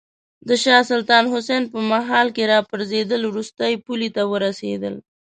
د شاه سلطان حسین په مهال کې راپرزېدل وروستۍ پولې ته ورسېدل.